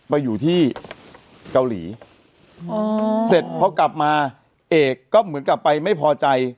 ไปอยู่ที่เกาหลีเสร็จพอกลับมาเอกก็เหมือนกลับไปไม่พอใจ